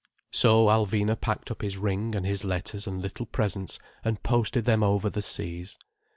So Alvina packed up his ring and his letters and little presents, and posted them over the seas.